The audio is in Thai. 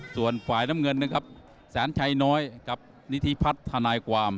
ส่วนฝ่ายน้ำเงินนะครับแสนชัยน้อยกับนิธิพัฒน์ธนายความ